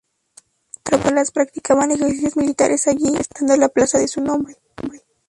Tropas españolas practicaban ejercicios militares allí, dando la plaza de su nombre.